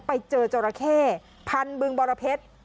ไปเจอจราเข้พันธุ์บึงบรพเทศ